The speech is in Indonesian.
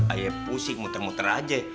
ayah pusing muter muter aja